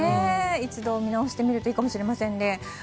一度見直してみるといいかもしれませんね。